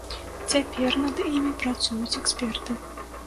Цяпер над імі працуюць эксперты.